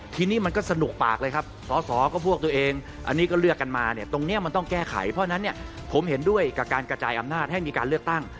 ทีนี้มันก็สนุกปากเลยครับสอสอก็พวกตัวเองอันนี้ก็เลือกกันมาเนี่ยตรงนี้มันต้องแก้ไขเพราะฉะนั้นเนี่ยผมเห็นด้วยกับการกระจายอำนาจให้มีการเลือกตั้ง